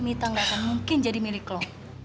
mita gak akan mungkin jadi milik lo